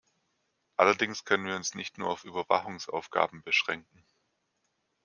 Allerdings können wir uns nicht nur auf Überwachungsaufgaben beschränken.